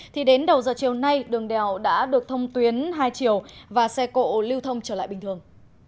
thì đến đầu giờ chiều nay đường đèo đã được thông tuyến hai chiều và xe cộ lưu thông trở lại bình thường